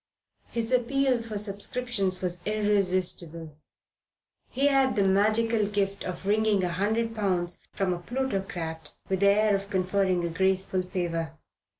His appeal for subscriptions was irresistible. He had the magical gift of wringing a hundred pounds from a plutocrat with the air of conferring a graceful favour.